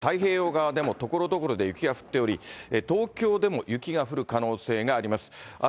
きょうは南岸低気圧の影響で、太平洋側でも、ところどころで雪が降っており、東京でも雪が降る可能性があります。